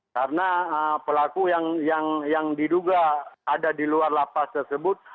karena pelaku yang diduga ada di luar lapas tersebut